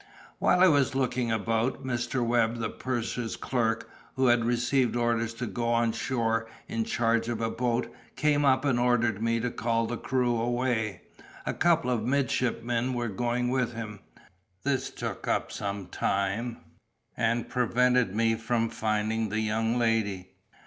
While I was looking about, Mr. Webb, the purser's clerk, who had received orders to go on shore in charge of a boat, came up and ordered me to call the crew away; a couple of midshipmen were going with him. This took up some time, and prevented me from finding the young lady.